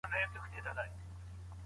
تر لیکلو تېز دي.